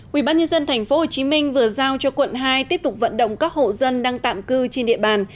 quỹ bán nhân dân tp hcm vừa giao cho quận hai tiếp tục vận động các hộ dân đang tạm cư trên địa bàn